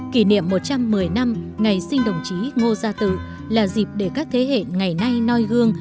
kỷ niệm một trăm một mươi năm ngày sinh đồng chí ngô gia tự là dịp để các thế hệ ngày nay noi gương